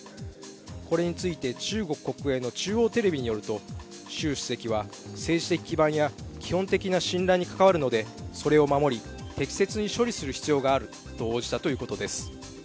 これについて中国国営の中央テレビによると習主席は政治的基盤や基本的な信頼に関わるのでそれを守り、適切に処理する必要があると応じたということです。